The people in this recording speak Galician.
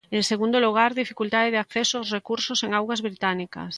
En segundo lugar, dificultade de acceso aos recursos en augas británicas.